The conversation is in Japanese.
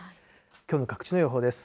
きょうの各地の予報です。